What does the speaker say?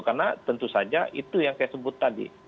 karena tentu saja itu yang saya sebut tadi